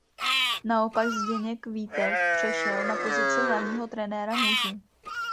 Naopak Zdeněk Vítek přešel na pozici hlavního trenéra mužů.